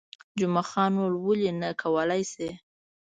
جمعه خان وویل، ولې نه، کولای شئ.